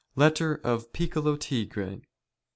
Letter or Piccolo Tigre, &c.